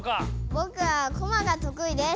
ぼくはコマがとくいです。